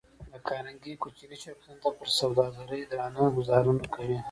د کارنګي کوچني شرکتونه د ده پر سوداګرۍ درانه ګوزارونه کوي.